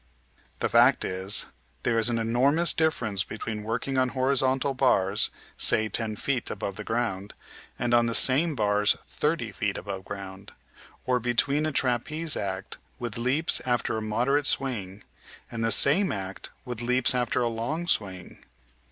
The fact is, there is an enormous difference between working on horizontal bars say ten feet above ground, and on the same bars thirty feet above ground, or between a trapeze act with leaps after a moderate swing, and the same act with leaps after a long swing.